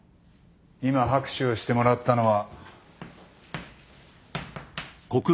今拍手をしてもらったのは。